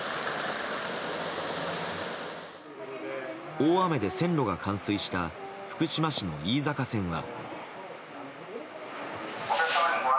大雨で線路が冠水した福島市の飯坂線は。